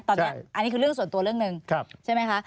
ตอนนี้อันนี้คือเรื่องส่วนตัวเรื่องหนึ่งใช่ไหมคะ